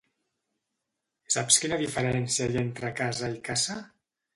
Saps quina diferència hi ha entre casa i caça?